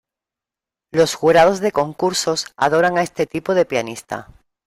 Los jurados de concursos adoran a este tipo de pianista.